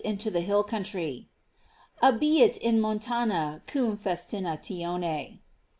fnto the hill country: "Abiit in montana cum festinatione."